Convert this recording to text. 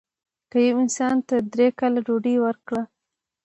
که یو انسان ته درې کاله ډوډۍ ورکړه.